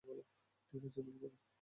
ঠিক আছে, রোল করো।